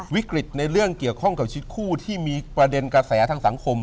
วิกฤตในเรื่องเกี่ยวข้องกับชีวิตคู่ที่มีประเด็นกระแสทางสังคม